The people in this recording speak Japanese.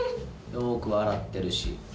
よく笑ってるし。